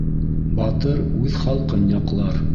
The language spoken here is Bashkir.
Батыр үҙ халҡын яҡлар.